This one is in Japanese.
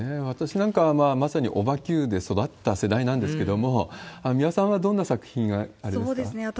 私なんかは、まさにオバＱで育った世代なんですけれども、三輪さんはどんな作品があれですか？